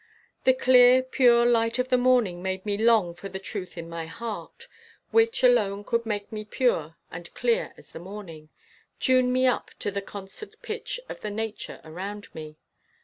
The clear pure light of the morning made me long for the truth in my heart, which alone could make me pure and clear as the morning, tune me up to the concert pitch of the nature around me.